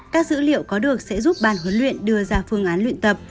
các dữ liệu có được sẽ giúp ban huấn luyện đưa ra phương án luyện tập